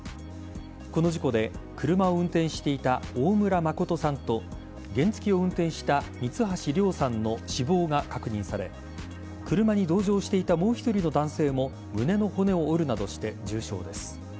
この事故で車を運転していた大村誠さんと原付を運転していた三橋凌さんの死亡が確認され車に同乗していたもう１人の男性も胸の骨を折るなどして重傷です。